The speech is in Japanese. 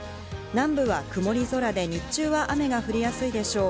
南部は曇り空で、日中は雨が降りやすいでしょう。